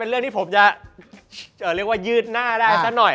เรื่องที่ผมจะเรียกว่ายืดหน้าได้สักหน่อย